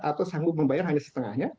atau sanggup membayar hanya setengahnya